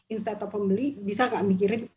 instead of membeli bisa gak mikirin